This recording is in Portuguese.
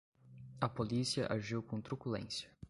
A polícia agiu com truculência